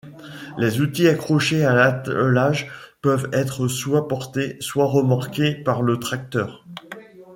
Les outils accrochés à l'attelage peuvent être soit portés, soit remorqués par le tracteur.